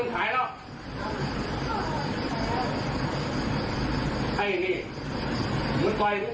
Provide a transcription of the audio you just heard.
เจ้าต่างหากว่ามึงรีบลอหลอก